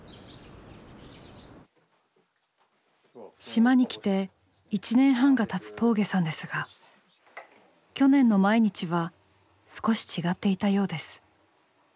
島に来て１年半がたつ峠さんですが去年の毎日は少し違っていたようです。